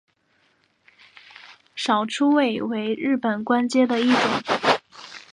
少初位为日本官阶的一种。